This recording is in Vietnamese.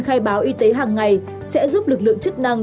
khai báo y tế hàng ngày sẽ giúp lực lượng chức năng